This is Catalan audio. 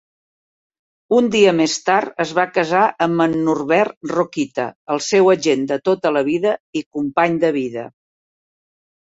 Un di amés tard es va casar amb en Norbert Rokita, el seu agent de tota la vida i company de vida .